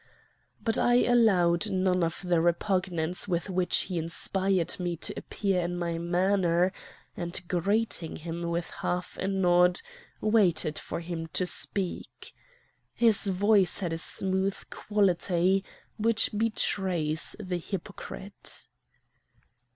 But I allowed none of the repugnance with which he inspired me to appear in my manner, and, greeting him with half a nod, waited for him to speak. His voice had that smooth quality which betrays the hypocrite.